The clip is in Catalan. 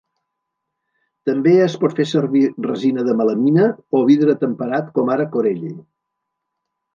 També es pot fer servir resina de melamina o vidre temperat com ara Corelle.